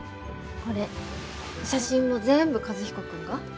これ写真も全部和彦君が？